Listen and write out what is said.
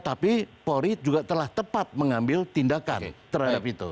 tapi polri juga telah tepat mengambil tindakan terhadap itu